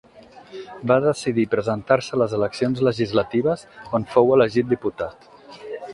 Va decidir presentar-se a les eleccions legislatives, on fou elegit diputat.